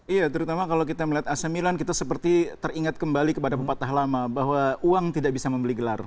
iya terutama kalau kita melihat ac milan kita seperti teringat kembali kepada pepatah lama bahwa uang tidak bisa membeli gelar